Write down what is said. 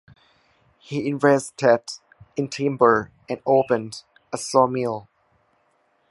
He invested in timber and opened a saw-mill.